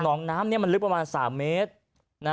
น้องน้ำนี้มันลึกประมาณ๓เมตร